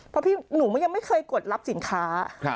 เพราะพี่หนูยังไม่เคยกดรับสินค้า